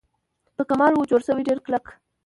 په کمال وه جوړه سوې ډېره کلکه